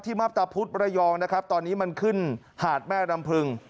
มับตาพุธระยองนะครับตอนนี้มันขึ้นหาดแม่ลำพึง